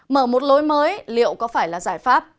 mở một lối mới liệu có phải là giải pháp